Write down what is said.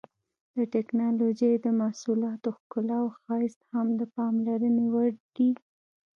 د ټېکنالوجۍ د محصولاتو ښکلا او ښایست هم د پاملرنې وړ دي.